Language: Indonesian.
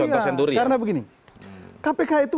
karena begini kpk itu